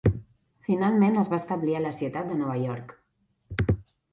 Finalment es va establir a la ciutat de Nova York.